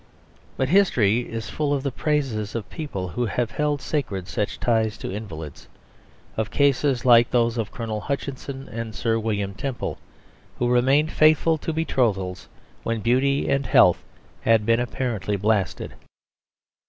But history is full of the praises of people who have held sacred such ties to invalids; of cases like those of Colonel Hutchinson and Sir William Temple, who remained faithful to betrothals when beauty and health had been apparently blasted.